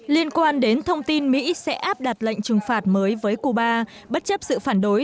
liên quan đến thông tin mỹ sẽ áp đặt lệnh trừng phạt mới với cuba bất chấp sự phản đối